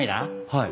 はい。